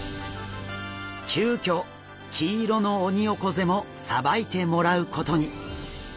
急きょ黄色のオニオコゼもさばいてもらうことに。